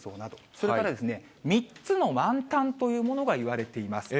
それから３つの満タンというものが言われています。